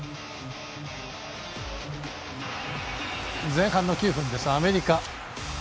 前半の９分です、アメリカ。